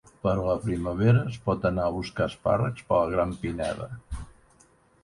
Per la primavera es pot anar a buscar espàrrecs per la gran pineda.